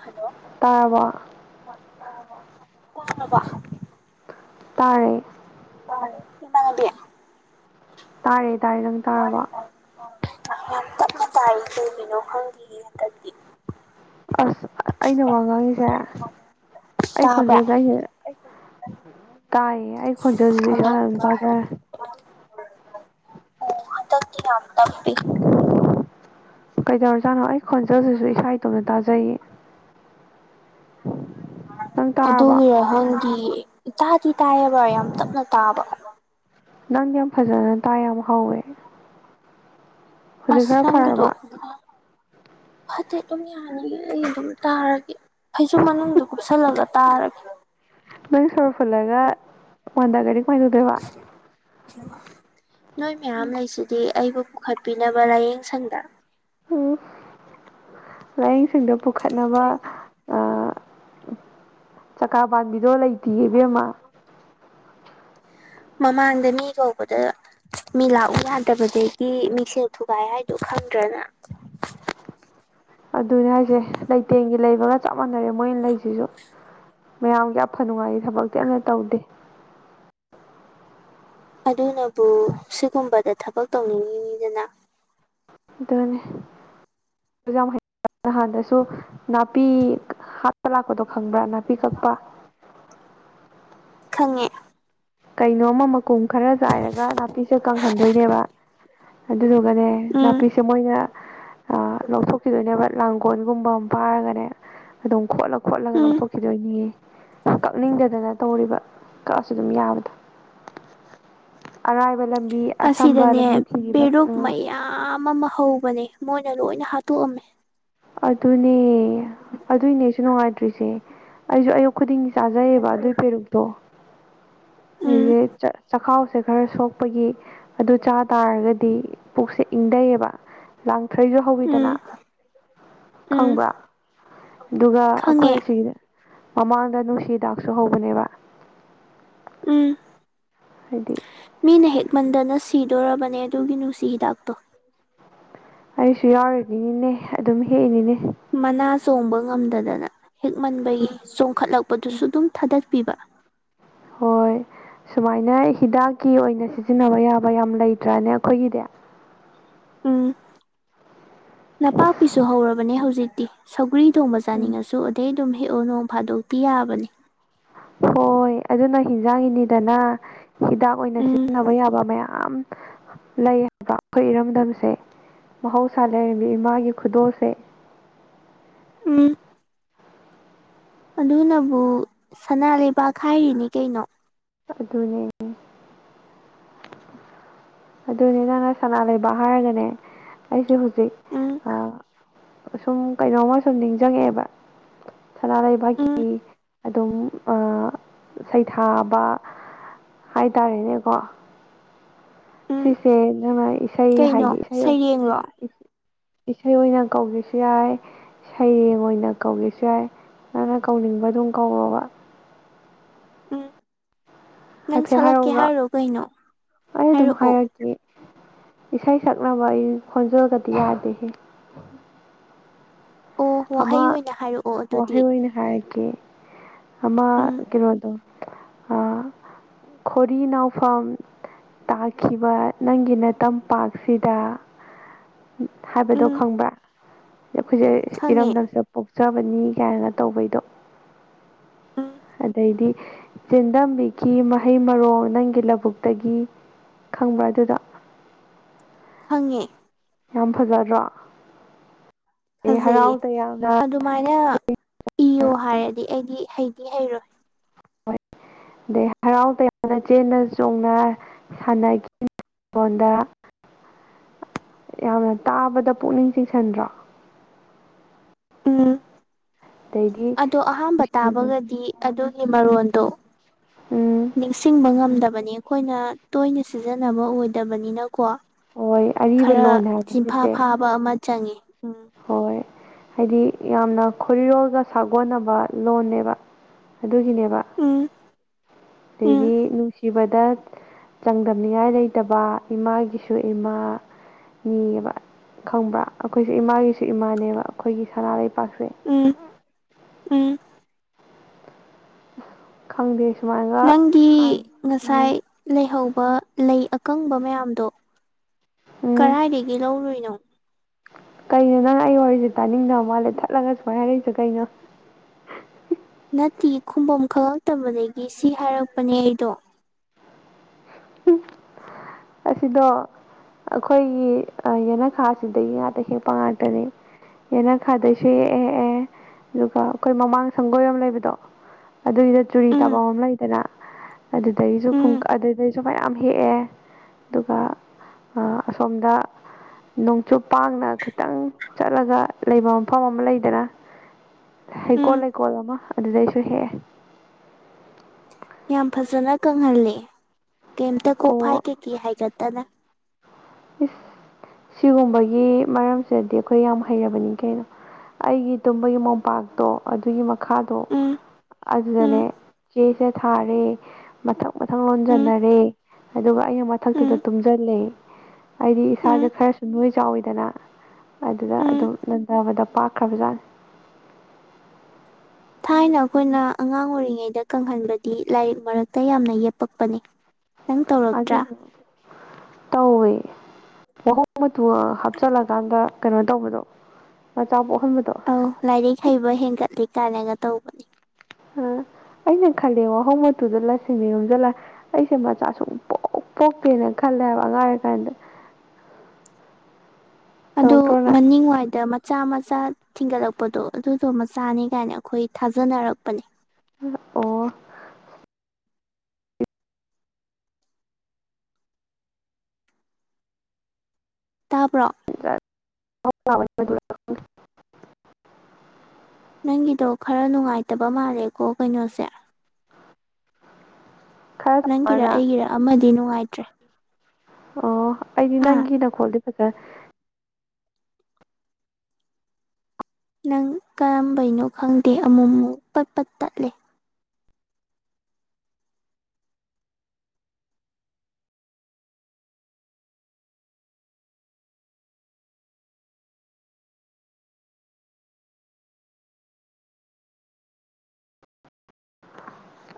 hello ꯇꯥꯔꯕꯣ ꯇꯥꯔꯦ ꯇꯥꯌꯦ ꯏꯃꯥꯟꯅꯕꯤ ꯇꯥꯏꯌꯦ ꯇꯥꯏꯌꯦ ꯅꯪ ꯇꯥꯔꯕꯣ [unintelligible] ꯌꯥꯝ ꯇꯞꯅ ꯇꯥꯏꯌꯦ ꯀꯩꯒꯤꯅꯣ ꯈꯪꯗꯤꯌꯦ ꯍꯟꯗꯛꯇꯤ ꯑꯁ ꯑꯩꯅ ꯋꯥ ꯉꯥꯡꯉꯤꯁꯦ ꯑꯩ ꯇꯥꯕ꯭ꯔꯥ ꯈꯣꯟꯖꯦꯜꯖꯦ ꯑꯩꯅ ꯇꯥꯏꯌꯦ ꯑꯩ ꯈꯣꯟꯖꯦꯜꯁꯤꯖꯨ ꯏꯁꯥꯅ ꯑꯗꯨꯝ ꯇꯥꯖꯔꯦ [unintelligible] ꯑꯥ ꯍꯟꯇꯛꯇꯤ ꯌꯥꯝ ꯇꯞꯄꯤ [unintelligible] ꯀꯩꯗꯧꯔꯖꯥꯠꯅꯣ ꯑꯩ ꯈꯣꯟꯖꯦꯜꯁꯤꯁꯨ ꯏꯁꯥ ꯏꯇꯣꯝꯅ ꯇꯥꯖꯩꯌꯦ ꯅꯪ ꯇꯥꯔꯕꯣ ꯑꯗꯨꯒꯤꯔꯥ ꯈꯪꯗꯤꯌꯦ ꯇꯥꯗꯤ ꯇꯥꯏꯌꯦꯕ ꯌꯥꯝ ꯇꯞꯅ ꯇꯥꯕ ꯅꯪ ꯌꯥꯝ ꯐꯖꯅ ꯇꯥꯏ ꯌꯥꯝ ꯍꯧꯋꯦ ꯍꯧꯖꯤꯛ ꯑꯁ ꯈꯔ ꯅꯪꯒꯤꯗꯣ ꯐꯔꯕ ꯐꯠꯇꯦ ꯑꯗꯨꯝ ꯌꯥꯔꯣꯢꯌꯦ ꯑꯩ ꯑꯗꯨꯝ ꯇꯥꯔꯒꯦ ꯐꯩꯖꯨꯞ ꯃꯅꯨꯡꯗ ꯀꯨꯞꯁꯜꯂꯒ ꯇꯥꯔꯒꯦ ꯅꯪ ꯁꯣꯔ ꯐꯨꯜꯂꯒ ꯋꯥꯟꯗꯥꯒ꯭ꯔꯗꯤ ꯀꯃꯥꯏ ꯇꯧꯗꯣꯏꯕ [unintelligible] ꯅꯣꯏ ꯃꯌꯥꯝ ꯂꯩꯁꯤꯗꯤ ꯑꯩꯕꯨ ꯄꯨꯈꯠꯄꯤꯅꯕ ꯂꯥꯏꯌꯦꯡ ꯁꯪꯗ ꯎꯝ ꯂꯥꯏꯌꯦꯡꯁꯪꯗ ꯄꯨꯈꯠꯅꯕ ꯑꯥ ꯆꯀꯥ ꯄꯥꯟꯕꯤꯗꯣ ꯂꯩꯇꯤꯌꯦ ꯏꯕꯦꯝꯃ ꯃꯃꯥꯡꯗ ꯃꯤ ꯀꯧꯕꯗ ꯃꯤ ꯂꯥꯛꯎ ꯌꯥꯗꯕꯗꯒꯤ ꯃꯤꯡꯁꯦꯜ ꯊꯨꯒꯥꯏ ꯍꯥꯏꯗꯣ ꯈꯪꯗ꯭ꯔꯅꯪ ꯑꯗꯨꯅꯦ ꯍꯥꯏꯁꯦ ꯂꯩꯇꯦꯡꯒꯤ ꯂꯩꯕꯒ ꯆꯞ ꯃꯥꯟꯅꯔꯦ ꯃꯣꯏꯅ ꯂꯩꯁꯤꯖꯨ ꯃꯌꯥꯝꯒꯤ ꯑꯐ ꯅꯨꯡꯉꯥꯏꯒꯤ ꯊꯕꯛꯇꯤ ꯑꯃꯇ ꯇꯧꯗꯦ ꯑꯗꯨꯅꯕꯨ ꯁꯤꯒꯨꯝꯕꯗ ꯊꯕꯛ ꯇꯧꯅꯤꯡꯉꯤꯅꯤꯗꯅ ꯑꯗꯨꯅꯤ [unintelligible] ꯅꯍꯥꯟꯗꯁꯨ ꯅꯥꯄꯤ ꯍꯥꯠꯄ ꯂꯥꯛꯄꯗꯣ ꯈꯪꯕ꯭ꯔꯥ ꯅꯥꯄꯤ ꯀꯛꯄ ꯈꯪꯉꯦ ꯀꯩꯅꯣꯝꯃ ꯃꯀꯨꯝ ꯈꯔ ꯆꯥꯏꯔꯒ ꯅꯥꯄꯤꯁꯦ ꯀꯪꯍꯟꯗꯣꯏꯅꯦꯕ ꯑꯗꯨꯗꯨꯒꯅꯦ ꯎꯝ ꯅꯥꯄꯤꯁꯦ ꯃꯣꯏꯅ ꯑꯥꯑ ꯂꯧꯊꯣꯛꯈꯤꯗꯣꯏꯅꯦꯕ ꯂꯥꯡꯒꯣꯜꯒꯨꯝꯕ ꯑꯃ ꯄꯥꯏꯔꯒꯅꯦ ꯑꯗꯨꯝ ꯈꯣꯠꯂ- ꯈꯣꯠꯂꯒ ꯎꯝ ꯂꯧꯊꯣꯛꯈꯤꯗꯣꯏꯅꯦꯌꯦ ꯑꯥ ꯀꯛꯅꯤꯡꯗꯗꯅ ꯇꯧꯔꯤꯕ ꯀꯛꯑꯁꯨ ꯑꯗꯨꯝ ꯌꯥꯕ ꯑꯔꯥꯏꯕ ꯂꯝꯕꯤ ꯑꯁꯝꯕ ꯑꯁꯤꯗꯅꯦ ꯂꯝꯕꯤ ꯊꯤꯒꯤꯕ ꯄꯦꯔꯨꯛ ꯎꯪ ꯃꯌꯥꯝ ꯑꯃ ꯍꯧꯕꯅꯦ ꯃꯣꯏꯅ ꯂꯣꯏꯅ ꯍꯥꯠꯇꯣꯛꯑꯝꯃꯦ ꯑꯗꯨꯅꯤꯏ ꯑꯗꯨꯏꯅꯦ ꯑꯩꯁꯨ ꯅꯨꯡꯉꯥꯏꯇ꯭ꯔꯤꯖꯦ ꯑꯩꯖꯨ ꯑꯌꯨꯛ ꯈꯨꯗꯤꯡꯒꯤ ꯆꯥꯖꯩꯌꯦꯕ ꯑꯗꯨꯏ ꯄꯦꯔꯨꯛꯇꯣ ꯎꯝ ꯑꯩꯖꯦ ꯆꯈꯥꯎꯁꯦ ꯈꯔ ꯁꯣꯛꯄꯒꯤ ꯑꯗꯨ ꯆꯥ ꯇꯥꯔꯒꯗꯤ ꯄꯨꯛꯁꯦ ꯏꯪꯙꯩꯌꯦꯕ ꯂꯥꯡꯊ꯭ꯔꯩꯖꯨ ꯍꯧꯋꯤꯗꯅ ꯎꯝ ꯎꯝ ꯈꯪꯕ꯭ꯔ ꯑꯗꯨꯒ ꯑꯩꯈꯣꯏ ꯈꯪꯉꯦ ꯑꯁꯤꯒꯤꯖꯦ ꯃꯃꯥꯡꯗ ꯅꯨꯡꯁꯤꯍꯤꯗꯥꯛꯁꯨ ꯍꯧꯕꯅꯦꯕ ꯎꯝ ꯍꯥꯏꯗꯤ ꯃꯤꯅ ꯍꯦꯛꯃꯟꯗꯅ ꯁꯤꯗꯣꯔꯕꯅꯦ ꯑꯗꯨꯒꯤ ꯅꯨꯡꯁꯤ ꯍꯤꯗꯥꯛꯇꯣ ꯑꯩꯁꯨ ꯌꯥꯎꯔꯤꯗꯤꯅꯤꯅꯦ ꯑꯗꯨꯝ ꯍꯦꯛꯏꯅꯤꯅꯦ ꯃꯅꯥ ꯆꯣꯡꯕ ꯉꯝꯗꯗꯅ ꯍꯦꯛꯃꯟꯕꯒꯤ ꯆꯣꯡꯈꯠꯂꯛꯄꯗꯨꯁꯨ ꯑꯗꯨꯝ ꯊꯥꯗꯠꯄꯤꯕ ꯍꯣꯏ ꯁꯨꯃꯥꯏꯅ ꯍꯤꯗꯥꯛꯀꯤ ꯑꯣꯏꯅ ꯁꯤꯖꯤꯟꯅꯕ ꯌꯥꯕ ꯌꯥꯝ ꯂꯩꯇ꯭ꯔꯅꯦ ꯑꯩꯈꯣꯏꯒꯤꯗꯤ ꯎꯝ ꯅꯄꯥꯛꯄꯤꯁꯨ ꯍꯧꯔꯕꯅꯦ ꯍꯧꯖꯤꯛꯇꯤ ꯁꯧꯒ꯭ꯔꯤ ꯊꯣꯡꯕ ꯆꯥꯅꯤꯡꯉꯁꯨ ꯑꯗꯩ ꯑꯗꯨꯝ ꯍꯦꯛꯑꯣ ꯅꯣꯡ ꯐꯥꯗꯣꯛꯇꯤ ꯌꯥꯕꯅꯤ ꯍꯣꯏ ꯑꯗꯨꯅ ꯍꯤꯟꯖꯥꯡ ꯒꯤꯅꯤꯗꯅ ꯍꯤꯗꯥꯛ ꯑꯣꯏꯅ ꯎꯝ ꯁꯤꯖꯤꯟꯅꯕ ꯌꯥꯕ ꯃꯌꯥꯝ ꯂꯩ ꯍꯥꯏꯕ ꯑꯩꯈꯣꯏ ꯏꯔꯝꯗꯝꯁꯦ ꯃꯍꯧꯁꯥ ꯂꯥꯏꯔꯦꯕꯤꯝ ꯏꯃꯥꯒꯤ ꯈꯨꯗꯣꯜꯁꯦ ꯎꯝ ꯑꯗꯨꯅꯕꯨ ꯁꯅꯥ ꯂꯩꯕꯥꯛ ꯍꯥꯏꯔꯤꯅꯤ ꯀꯩꯅꯣ ꯑꯗꯨꯅꯦ ꯑꯗꯨꯅꯤ ꯅꯪꯅ ꯁꯅꯥ ꯂꯩꯕꯥꯛ ꯍꯥꯏꯔꯒꯅꯦ ꯑꯩꯁꯦ ꯍꯧꯖꯤꯛ ꯎꯝ ꯑꯥ ꯁꯨꯝ ꯀꯩꯅꯣꯝꯃ ꯁꯨꯝ ꯅꯤꯡꯖꯪꯉꯛꯑꯦꯕ ꯁꯅꯥ ꯎꯝ ꯂꯩꯕꯥꯛꯀꯤ ꯑꯗꯨꯝ ꯑꯥꯑ ꯁꯩꯊꯥꯕ ꯍꯥꯏꯇꯥꯔꯦꯅꯦꯀꯣ ꯎꯝ ꯁꯤꯁꯦ ꯅꯪꯅ ꯏꯁꯩ ꯀꯩꯅꯣ ꯍꯥꯏꯒꯦ ꯏꯁꯩ ꯑꯣꯏ ꯁꯩꯔꯦꯡꯂꯣ ꯏꯁꯩ ꯑꯣꯏꯅ ꯀꯧꯒꯦꯁꯨ ꯌꯥꯏ ꯁꯩꯔꯦꯡ ꯑꯣꯏꯅ ꯀꯧꯒꯦꯁꯨ ꯌꯥꯏ ꯅꯪꯅ ꯀꯧꯅꯤꯡꯕ ꯑꯗꯨꯝ ꯀꯧꯔꯣꯕ ꯎꯪ ꯅꯪ ꯍꯥꯏꯐꯦꯠ ꯁꯛꯂꯛꯀꯦ ꯍꯥꯏꯔꯛꯎꯔꯣ ꯍꯥꯏꯔꯣ ꯀꯩꯅꯣ ꯍꯥꯏꯔꯛꯑꯣ ꯏ ꯏꯁꯩ ꯁꯛꯅꯕ ꯑꯩ ꯈꯣꯟꯖꯦꯜꯒꯗꯤ ꯌꯥꯗꯦꯍꯦ ꯑꯣ ꯋꯥꯍꯩ ꯑꯣꯏꯅ ꯍꯥꯏꯔꯛꯑꯣ ꯑꯗꯨꯗꯤ ꯍꯥꯏꯔꯀꯤ ꯑꯃꯥ ꯎꯝ ꯀꯩꯅꯣꯗꯣ ꯑꯥ ꯈꯣꯔꯤ ꯅꯥꯎꯐꯝ ꯇꯥꯈꯤꯕ ꯅꯪꯒꯤ ꯅꯇꯝꯄꯥꯛꯁꯤꯗ ꯍꯥꯏꯕꯗꯣ ꯎꯝ ꯈꯪꯕ꯭ꯔꯥ ꯑꯩꯈꯣꯏꯖꯦ ꯈꯪꯉꯦ ꯏꯔꯝꯗꯝꯁꯤꯗ ꯄꯣꯛꯆꯕꯅꯤ ꯀꯥꯏꯅꯒ ꯇꯧꯕꯩꯗꯣ ꯎꯝ ꯑꯗꯩꯗꯤ ꯆꯦꯟꯗꯝꯕꯤꯈꯤ ꯃꯍꯩ ꯃꯔꯣꯡ ꯅꯪꯒꯤ ꯂꯕꯨꯛꯇꯒꯤ ꯈꯪꯕ꯭ꯔꯥ ꯑꯗꯨꯗꯣ ꯈꯪꯉꯦ ꯌꯥꯝ ꯐꯖꯗ꯭ꯔꯣ ꯑꯗꯩ ꯍꯔꯥꯎ ꯐꯖꯩꯌꯦ ꯇꯌꯥꯝꯅ ꯑꯗꯨꯃꯥꯏꯅ ꯏꯌꯣ ꯍꯥꯏꯔꯗꯤ ꯑꯩꯗꯤ ꯍꯩꯗꯤ ꯍꯩꯔꯣꯏ ꯑꯗꯩ ꯍꯔꯥꯎ ꯇꯌꯥꯝꯅ ꯆꯦꯟꯅ ꯆꯣꯡꯅ ꯁꯥꯟꯅꯈꯤꯅꯪꯉꯣꯟꯗ ꯌꯥꯝꯅ ꯇꯥꯕꯗ ꯄꯨꯛꯅꯤꯡ ꯆꯤꯡꯁꯟꯗ꯭ꯔꯣ ꯎꯝ ꯑꯗꯩꯗꯤ ꯑꯗꯣ ꯑꯍꯥꯝꯕ ꯅꯨꯡꯁꯤꯕꯅꯤ ꯇꯥꯕꯒꯗꯤ ꯑꯗꯨꯒꯤ ꯃꯔꯣꯟꯗꯣ ꯎꯝ ꯅꯤꯡꯁꯤꯡꯕ ꯎꯝ ꯉꯝꯗꯕꯅꯤ ꯑꯈꯣꯏꯅ ꯇꯣꯏꯅ ꯁꯤꯖꯤꯟꯅꯕ ꯑꯣꯏꯗꯕꯅꯤꯅꯀꯣ ꯍꯣꯏ ꯑꯔꯤꯕ ꯈꯔ ꯂꯣꯟ ꯆꯤꯟꯐꯥ ꯍꯥꯏꯕꯁꯤꯁꯦ ꯐꯥꯕ ꯑꯃ ꯆꯪꯉ ꯍꯣꯏ ꯍꯥꯏꯗꯤ ꯌꯥꯝꯅ ꯈꯨꯔꯤꯔꯣꯜꯒ ꯁꯥꯒꯣꯟꯅꯕ ꯂꯣꯟꯅꯦꯕ ꯑꯗꯨꯒꯤꯅꯦꯕ ꯎꯝ ꯎꯝ ꯑꯗꯩꯗꯤ ꯅꯨꯡꯁꯤꯕꯗ ꯆꯥꯡꯗꯝꯅꯤꯉꯥꯏ ꯂꯩꯇꯕ ꯏꯃꯥꯒꯤꯁꯨ ꯏꯃꯥ ꯅꯤꯌꯦꯕ ꯈꯪꯕ꯭ꯔꯥ ꯑꯈꯣꯏꯁꯦ ꯏꯃꯥꯒꯤꯁꯨ ꯏꯃꯥꯅꯦꯕ ꯑꯈꯣꯏꯒꯤ ꯁꯅꯥ ꯂꯩꯄꯥꯛꯁꯦ ꯎꯝ ꯎꯝ ꯈꯪꯗꯦ ꯁꯨꯃꯥꯏꯅ ꯅꯪꯒꯤ ꯉꯁꯥꯏ ꯂꯩꯍꯧꯕ ꯂꯩ ꯑꯀꯪꯕ ꯃꯌꯥꯝꯗꯣ ꯎꯝ ꯀꯔꯥꯏꯗꯒꯤ ꯂꯧꯔꯨꯏꯅꯣ ꯀꯩꯅꯣ ꯅꯪ ꯑꯩ ꯋꯥꯔꯤꯖꯦ ꯇꯥꯅꯤꯡꯗꯕ ꯃꯥꯜꯂꯦ ꯊꯠꯂꯒ ꯁꯨꯃꯥꯏꯅ ꯍꯥꯏꯔꯛꯏꯖꯦ ꯀꯩꯅꯣ ꯅꯠꯇꯦ ꯈꯨꯝꯕꯝ ꯈꯪꯉꯛꯇꯕꯗꯒꯤ ꯁꯤ ꯍꯥꯏꯔꯛꯄꯅꯦ ꯑꯩꯗꯣ ꯍꯨꯝ ꯑꯁꯤꯗꯣ ꯑꯈꯣꯏꯒꯤ ꯑ ꯌꯦꯅꯈꯥꯁꯤꯗꯒꯤ ꯉꯥꯛꯇ ꯍꯦꯛꯄ ꯉꯥꯛꯇꯅꯦ ꯌꯦꯅꯈꯥꯗꯩꯁꯨ ꯍꯦꯛꯑꯦ ꯑꯗꯨꯒ ꯑꯈꯣꯏ ꯃꯃꯥꯡ ꯁꯪꯒꯣꯏ ꯑꯃ ꯂꯩꯕꯗꯣ ꯑꯗꯨꯒꯤꯗ ꯆꯨꯔꯤ ꯎꯝ ꯇꯥꯕꯝ ꯑꯃ ꯂꯩꯗꯅ ꯑꯗꯨꯗꯒꯤꯁꯨ ꯎꯝ ꯈꯨꯟꯀꯠ ꯑꯗꯨꯗꯩꯁꯨ ꯐꯅꯌꯥꯝ ꯍꯦꯛꯑꯦ ꯗꯨꯒ ꯑ ꯑꯁꯣꯝꯗ ꯅꯣꯡꯆꯨꯞ ꯄꯥꯡꯅ ꯈꯩꯇꯪ ꯆꯠꯂꯒ ꯂꯩꯕ ꯃꯐꯝ ꯑꯃ ꯂꯩꯗꯅ ꯎꯝ ꯍꯩꯀꯣꯜ ꯂꯩꯀꯣꯜ ꯑꯃ ꯑꯗꯨꯗꯩꯁꯨ ꯍꯦꯛꯑꯦ ꯌꯥꯝ ꯐꯖꯅ ꯀꯪꯍꯜꯂꯦ ꯀꯩꯝꯇ ꯀꯣꯛꯐꯥꯏ ꯑꯣ ꯀꯩꯀꯤ ꯍꯥꯏꯒꯠꯇꯅ ꯏꯁ ꯁꯤꯒꯨꯝꯕꯒꯤ ꯃꯔꯝꯁꯤꯗꯗꯤ ꯑꯈꯣꯏ ꯌꯥꯝ ꯍꯩꯔꯕꯅꯤ ꯀꯩꯅꯣ ꯑꯩꯒꯤ ꯇꯨꯝꯕꯒꯤ ꯃꯣꯝꯄꯥꯛ ꯇꯣ ꯑꯗꯨꯒꯤ ꯃꯈꯥꯗꯣ ꯎꯝ ꯎꯝ ꯑꯗꯨꯗꯅꯦ ꯆꯦꯁꯦ ꯊꯥꯔꯦ ꯃꯊꯛ ꯃꯊꯪ ꯎꯝ ꯂꯣꯟꯖꯟꯅꯔꯦ ꯑꯗꯨꯒ ꯑꯩꯅ ꯎꯝ ꯃꯊꯛꯇꯨꯗ ꯇꯨꯝꯖꯜꯂꯦ ꯑꯩꯗꯤ ꯏꯁꯥꯁꯦ ꯎꯝ ꯈꯔꯁꯨ ꯅꯣꯏ ꯆꯥꯎꯋꯤꯗꯅ ꯑꯗꯨꯗ ꯎꯝ ꯑꯗꯨꯝ ꯅꯟꯊꯕꯗ ꯄꯥꯛꯈ꯭ꯔꯕꯖꯥꯠꯅꯤ ꯊꯥꯏꯅ ꯑꯈꯣꯏꯅ ꯑꯉꯥꯡ ꯑꯣꯏꯔꯤꯉꯩꯗ ꯀꯪꯍꯟꯕꯗꯤ ꯂꯥꯏꯔꯤꯛ ꯃꯔꯛꯇ ꯌꯥꯝꯅ ꯌꯦꯞꯄꯛꯄꯅꯤ ꯑꯗꯨꯏꯗꯣ ꯇꯧꯋꯦ ꯋꯥꯍꯣꯡ ꯃꯇꯨ ꯍꯥꯞꯆꯜꯂꯀꯥꯟꯗ ꯀꯩꯅꯣ ꯇꯧꯕꯗꯣ ꯃꯆꯥ ꯄꯣꯛꯍꯟꯕꯗꯣ ꯑꯧ ꯂꯥꯏꯔꯤꯛ ꯍꯩꯕ ꯍꯦꯟꯒꯠꯂꯤ ꯀꯥꯏꯅꯒ ꯇꯧꯕꯅꯤ ꯑ ꯑꯩꯅ ꯈꯜꯂꯦ ꯋꯥꯍꯣꯡ ꯃꯇꯨꯗ ꯂꯁꯤꯡꯅ ꯌꯣꯝꯖꯤꯜꯂ ꯑꯩꯁꯦ ꯃꯆꯥ ꯁꯨꯡ ꯄꯣꯛ ꯄꯣꯛꯇꯦꯅ ꯈꯜꯂꯦꯍꯥꯏꯕ ꯑꯉꯥꯡ ꯑꯣꯢꯔꯤ ꯀꯥꯟꯗ ꯑꯗꯣ ꯇꯧꯔꯛꯇ꯭ꯔꯣ ꯅꯪ ꯃꯅꯤꯡꯋꯥꯏꯗ ꯃꯠ ꯆꯥ ꯃꯆꯥ ꯊꯤꯡꯒꯠꯂꯛꯄꯗꯣ ꯑꯗꯨꯗꯣ ꯃꯆꯥꯅꯤ ꯀꯥꯏꯅ ꯑꯩꯈꯣꯏ ꯊꯥꯖꯅꯔꯛꯄꯅꯦ ꯑꯣ ꯇꯥꯕ꯭ꯔꯣ [unintelligible] ꯅꯪꯒꯤꯗꯣ ꯈꯔ ꯅꯨꯡꯉꯥꯏꯇꯕ ꯃꯥꯜꯂꯦꯀꯣ ꯀꯩꯅꯣꯁꯦ ꯈꯔ ꯆꯥꯎꯔ ꯅꯪꯒꯤꯔ ꯅꯪ ꯑꯩꯒꯤꯔ ꯑꯃꯗꯤ ꯅꯨꯡꯉꯥꯏꯇ꯭ꯔꯦ ꯑꯣ ꯑꯩꯗꯤ ꯍꯥ ꯅꯪꯒꯤ ꯅꯈꯣꯜꯗꯤ ꯐꯖ ꯅꯪ ꯀꯔꯝꯕꯩꯅꯣ ꯈꯪꯗꯦ ꯑꯃꯨꯃꯨꯛ ꯄꯠꯄꯠ ꯇꯠꯂꯦ